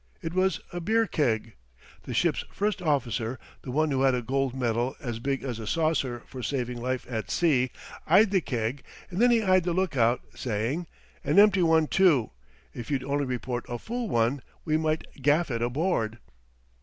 It was a beer keg. The ship's first officer, the one who had a gold medal as big as a saucer for saving life at sea, eyed the keg, and then he eyed the lookout, saying: "An empty one too! If you'd only report a full one, we might gaff it aboard."